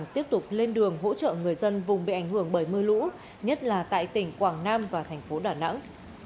tiếp tục lên đường hỗ trợ người dân vùng bị ảnh hưởng bởi mưa lũ nhất là tại tỉnh quảng nam và thành phố đà nẵng